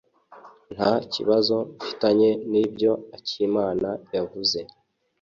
Nta kibazo mfitanye nibyo akimana yavuze.